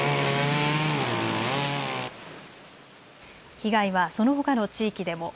被害はそのほかの地域でも。